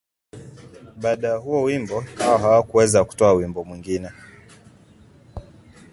Baada ya huo wimbo, Hawa hakuweza kutoa wimbo mwingine.